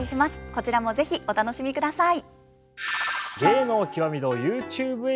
こちらも是非お楽しみください。